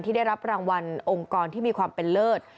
ได้รับรางวัลองค์กรที่มีความเป็นเลิศ